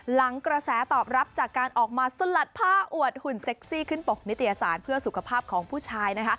หลังกระแสตอบรับจากการออกมาสลัดผ้าอวดหุ่นเซ็กซี่ขึ้นปกนิตยสารเพื่อสุขภาพของผู้ชาย